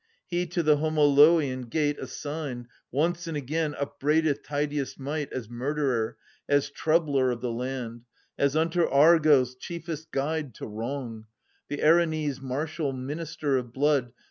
He, to the Homoloian gate assigned, 570 Once and again upbraideth Tydeus* might As murderer, as troubler of the land, As imto Argos chiefest guide to wrong. The Erinnys* marshal, minister of blood.